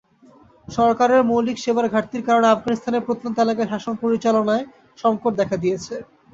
সরকারের মৌলিক সেবার ঘাটতির কারণে আফগানিস্তানের প্রত্যন্ত এলাকায় শাসন পরিচালনায় সংকট দেখা দিয়েছে।